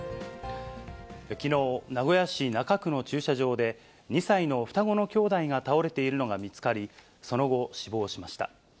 きのう、名古屋市中区の駐車場で、２歳の双子の兄弟が倒れているのが見つかり、その後、死亡しました。